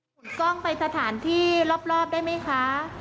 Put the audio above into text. ขนกล้องไปสถานที่รอบได้ไหมคะ